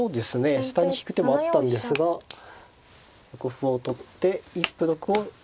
下に引く手もあったんですが横歩を取って一歩得を先手は主張して。